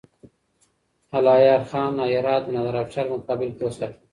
الهيار خان هرات د نادرافشار په مقابل کې وساته.